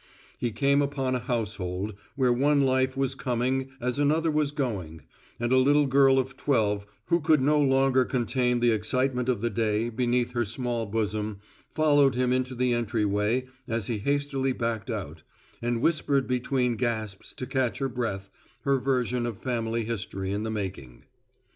He came upon a household where one life was coming as another was going, and a little girl of twelve who could no longer contain the excitement of the day beneath her small bosom followed him into the entry way as he hastily backed out, and whispered between gasps to catch her breath her version of family history in the making.